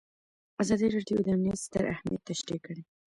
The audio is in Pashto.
ازادي راډیو د امنیت ستر اهميت تشریح کړی.